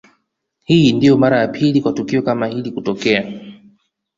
Hii ndio mara ya pili kwa tukio kama hilo kutokea